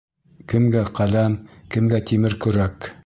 Кемгә — ҡәләм, кемгә — тимер көрәк.